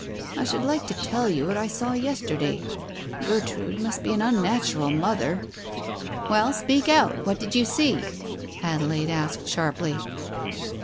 I should like to tell you what I saw yesterday. Gertrude must be an unnatural mother " "Well, speak out, what did you see? " Adelaide asked sharply.